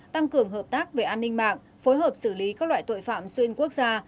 tăng cường hợp tác về an ninh mạng phối hợp xử lý các loại tội phạm xuyên quốc gia